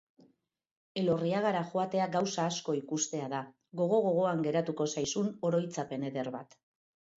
Elorriagara joatea gauza asko ikustea da, gogo-gogoan geratuko zaigun oroitzapen eder bat.